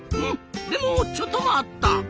でもちょっと待った！